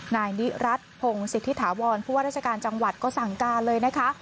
นายนิรัติพงศิษฐิถาวรผู้ว่าราชการจังหวัดก็สั่งการเลยนะคะ